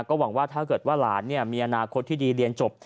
ก็หวังว่าถ้าเกิดว่าหลานมีอนาคตที่ดีเรียนจบ